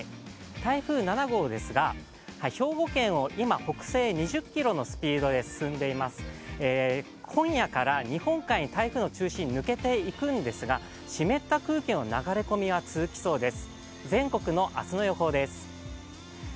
台風７号ですが兵庫県を今、北西２０キロのスピードで進んでいます、今夜から日本海に台風の中心が抜けていくんですが、湿った空気の流れ込みは続きそうです。